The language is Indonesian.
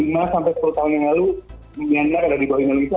lima sampai sepuluh tahun yang lalu myanmar ada di bawah indonesia